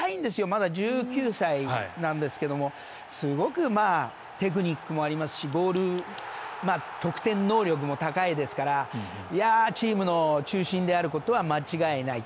まだ１９歳なんですけどもすごくテクニックもありますし得点能力も高いですからチームの中心であることは間違いない。